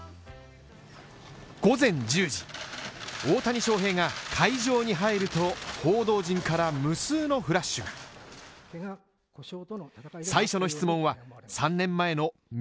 午前１０時、大谷翔平が会場に入ると、報道陣から無数のフラッシュ投打二刀流